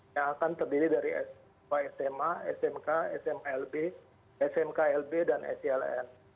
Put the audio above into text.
yang akan terdiri dari sma smk smlb smklb dan sln